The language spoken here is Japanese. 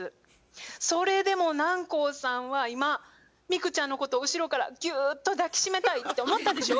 それでも南光さんは今ミクちゃんのこと後ろからぎゅっと抱き締めたいって思ったでしょ？